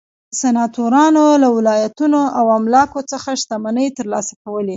سناتورانو له ولایتونو او املاکو څخه شتمنۍ ترلاسه کولې.